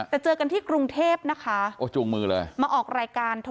แต่เจอกันที่กรุงเทพนะคะ